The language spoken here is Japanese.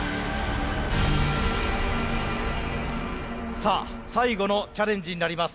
さあ最後のチャレンジになります。